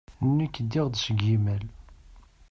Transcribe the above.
Nekk ddiɣ-d seg yimal.